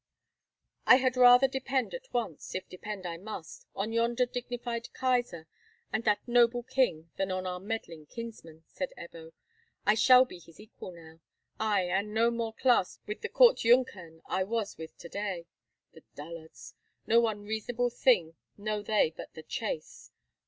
"I had rather depend at once—if depend I must—on yonder dignified Kaisar and that noble king than on our meddling kinsman," said Ebbo. "I shall be his equal now! Ay, and no more classed with the court Junkern I was with to day. The dullards! No one reasonable thing know they but the chase.